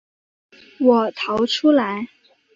我逃出来